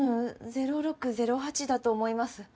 ＩＮ０６０８だと思います。